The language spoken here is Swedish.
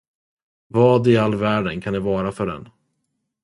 Vad i all världen kan det vara för en?